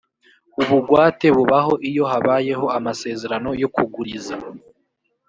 ubugwate bubaho iyo habayeho amasezerano yo kuguriza